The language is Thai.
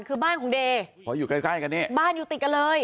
คือบ้านของเดย์เพราะอยู่ใกล้ใกล้กันเนี่ยบ้านอยู่ติดกันเลย